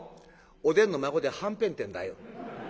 「お伝の孫ではんぺんってんだよ」。